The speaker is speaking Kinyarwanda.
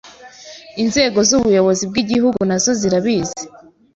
inzego z’ubuyobozi bw’igihugu nazo zirabizi